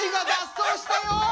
そうしたよ。